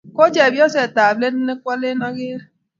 ko chepsoset ab let ne kwalen agere